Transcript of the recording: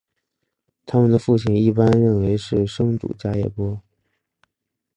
他们的父亲一般认为是生主迦叶波。